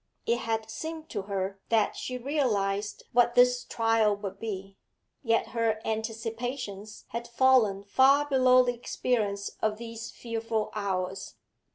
It had seemed to her that she realised what this trial would be, yet her anticipations had fallen far below the experience of these fearful hours.